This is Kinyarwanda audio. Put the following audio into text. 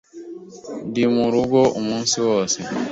Ndi murugo umunsi wose.